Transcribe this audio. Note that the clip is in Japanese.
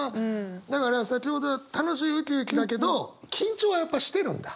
だから先ほどは楽しいウキウキだけど緊張はやっぱしてるんだ。